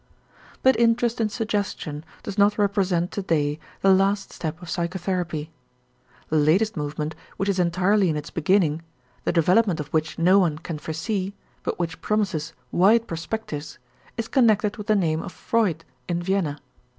But interest in suggestion does not represent to day the last step of psychotherapy. The latest movement, which is entirely in its beginning, the development of which no one can foresee, but which promises wide perspectives, is connected with the name of Freud in Vienna.